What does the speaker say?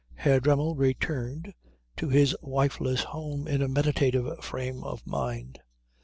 Herr Dremmel returned to his wifeless home in a meditative frame of mind.